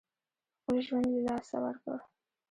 خپل ژوند یې له لاسه ورکړ.